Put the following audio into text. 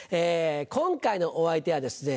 今回のお相手はですね